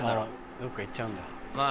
どっか行っちゃうんだ。